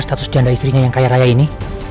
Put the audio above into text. status janda istrinya yang kaya raya ini